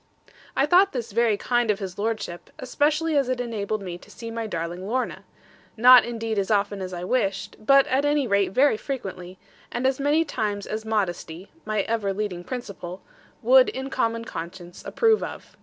I thought this very kind of his lordship, especially as it enabled me to see my darling Lorna, not indeed as often as I wished, but at any rate very frequently, and as many times as modesty (ever my leading principle) would in common conscience approve of.